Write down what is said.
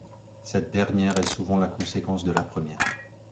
Cette dernière est souvent la conséquence de la première.